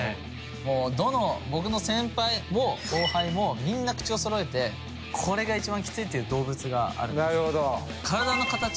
もうどの僕の先輩も後輩もみんな口をそろえてこれが一番きついっていう動物があるんです。